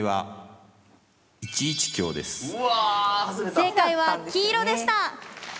正解は黄色でした！